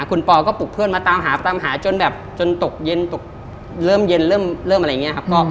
คุณปอก็ปลุกเพื่อนมาตามหาตามหาจนแบบจนตกเย็นตกเริ่มเย็นเริ่มอะไรอย่างนี้ครับ